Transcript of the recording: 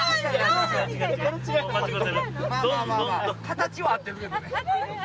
形は合ってるけどね。